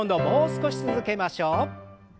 もう少し続けましょう。